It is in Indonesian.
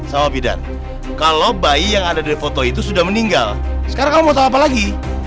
sama bidan kalau bayi yang ada di foto itu sudah meninggal sekarang kamu mau tahu apa lagi